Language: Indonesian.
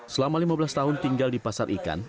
selama lima belas tahun tinggal di pasar ikan